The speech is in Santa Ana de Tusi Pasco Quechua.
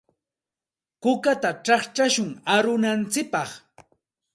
Kukata chaqchashun arunantsikpaq.